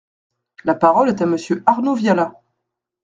La parole est à Monsieur Arnaud Viala.